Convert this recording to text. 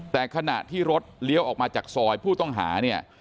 แต่ขณะที่รถเลี้ยวออกมาจากซอยผู้ต้องหาเนี่ย